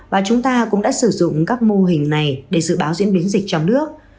và chúng ta cũng đã sử dụng các mô hình này để dự báo diễn biến dịch trong nước